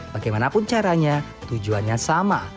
bagaimanapun caranya tujuannya sama